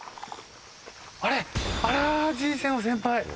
あれあらぁ人生の先輩。